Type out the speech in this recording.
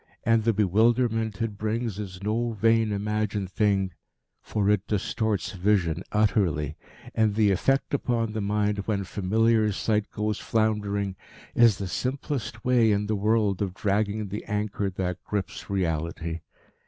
And the bewilderment it brings is no vain, imagined thing, for it distorts vision utterly, and the effect upon the mind when familiar sight goes floundering is the simplest way in the world of dragging the anchor that grips reality.